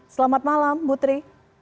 selamat malam butri